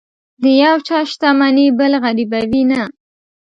د یو چا شتمني بل غریبوي نه.